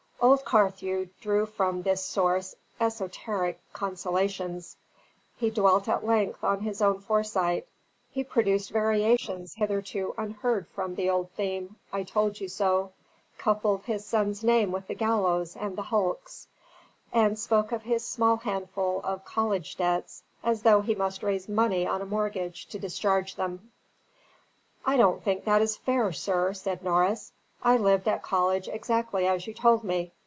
Old Carthew drew from this source esoteric consolations; he dwelt at length on his own foresight; he produced variations hitherto unheard from the old theme "I told you so," coupled his son's name with the gallows and the hulks, and spoke of his small handful of college debts as though he must raise money on a mortgage to discharge them. "I don't think that is fair, sir," said Norris. "I lived at college exactly as you told me.